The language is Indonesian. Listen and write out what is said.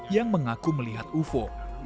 yang mengaku melihat ufo